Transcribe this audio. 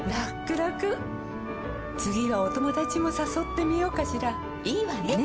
らくらくはお友達もさそってみようかしらいいわね！